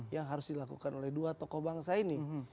yang harus dilakukan oleh dua tokoh bangsa ini